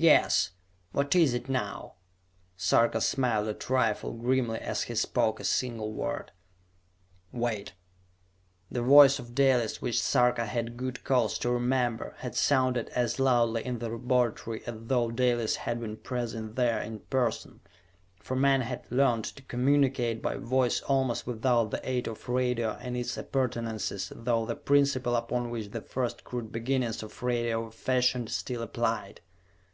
"Yes! What is it now?" Sarka smiled a trifle grimly as he spoke a single word. "Wait!" The voice of Dalis, which Sarka had good cause to remember, had sounded as loudly in the laboratory as though Dalis had been present there in person, for men had learned to communicate by voice almost without the aid of radio and its appurtenances though the principle upon which the first crude beginnings of radio were fashioned still applied.